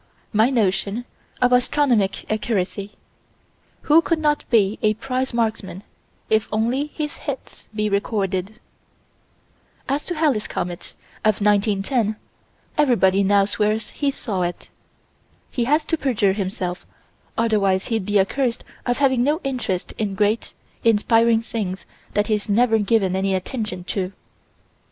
My notion of astronomic accuracy: Who could not be a prize marksman, if only his hits be recorded? As to Halley's comet, of 1910 everybody now swears he saw it. He has to perjure himself: otherwise he'd be accused of having no interest in great, inspiring things that he's never given any attention to.